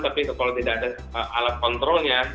tapi kalau tidak ada alat kontrolnya